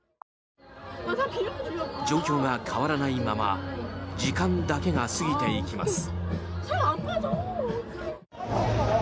状況が変わらないまま時間だけが過ぎていきます。